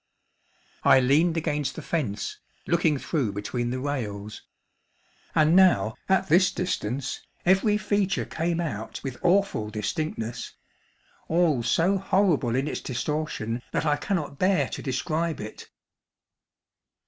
I leaned against the fence, looking through between the rails; and now, at this distance, every feature came out with awful distinctness—all so horrible in its distortion that I cannot bear to describe it.